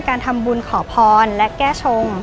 การทำบุญขอพรและแก้ชง